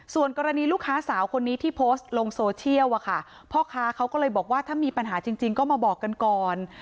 ส่วนกรณีลูกค้าสาวคนนี้ที่โพสต์ลงโซเชียลอะค่ะพ่อค้าเขาก็เลยบอกว่าถ้ามีปัญหาจริงก็มาบอกกันก่อน